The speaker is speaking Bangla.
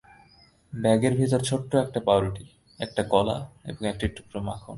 ব্যাগের ভেতর ছোট্ট একটা পাউরুটি, একটা কলা এবং এক টুকরো মাখন।